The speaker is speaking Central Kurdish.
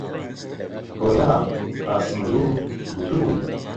گۆیا قاسملوو گوتبووی: